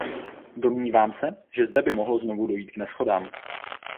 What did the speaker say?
Domnívám se, že zde by mohlo znovu dojít k neshodám.